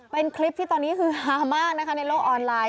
เป็นคลิปที่ตอนนี้คือฮามากนะคะในโลกออนไลน์